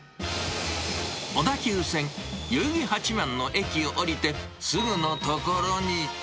小田急線代々木八幡の駅を降りてすぐの所に。